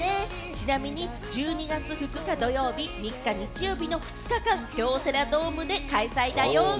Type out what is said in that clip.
ちなみに１２月２日土曜日、３日の日曜日の２日間、京セラドームで開催だよ。